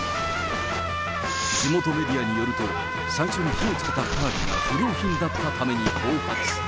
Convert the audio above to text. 地元メディアによると、最初に火をつけた花火が不良品だったために暴発。